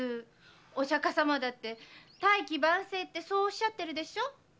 お釈迦様だって「大器晩成」っておっしゃってるでしょ？